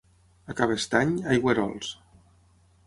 A Cabestany, aigüerols.